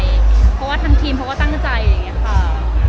เพราะว่าทั้งทีมเพราะว่าตั้งใจอย่างเงี้ยค่ะ